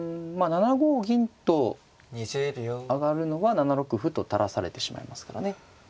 ７五銀と上がるのは７六歩と垂らされてしまいますからね。